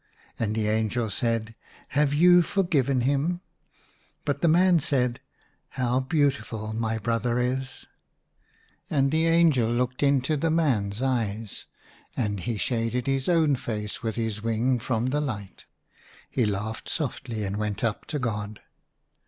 And the angel said, " Have you for given him ?" But the man said, " How beautiful my brother is /" And the angel looked into the man's eyes, and he shaded his own face with his wing from the light. He laughed softly and went up to God.